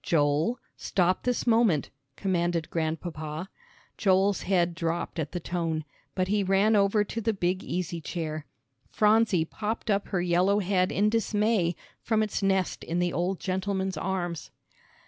"Joel, stop this moment," commanded Grandpapa. Joel's head dropped at the tone, but he ran over to the big easy chair. Phronsie popped up her yellow head in dismay from its nest in the old gentleman's arms.